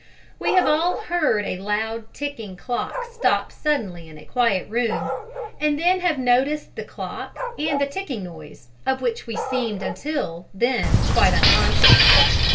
We have all "heard" a loud ticking clock stop suddenly in a quiet room, and then have noticed the clock and the ticking noise, of which we seemed until then quite unconscious.